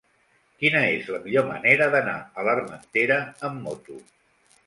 Quina és la millor manera d'anar a l'Armentera amb moto?